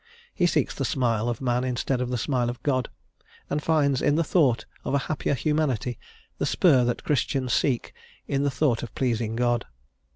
He seeks the smile of man instead of the smile of God, and finds in the thought of a happier humanity the spur that Christians seek in the thought of pleasing God.